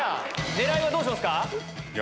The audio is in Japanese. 狙いはどうしますか？